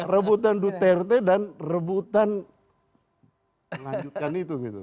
rebutan duterte dan rebutan melanjutkan itu gitu